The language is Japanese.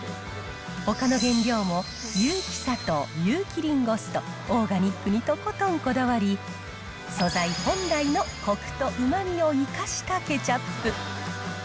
ほかの原料も有機砂糖、有機りんご酢と、オーガニックにとことんこだわり、素材本来のこくとうまみを生かしたケチャップ。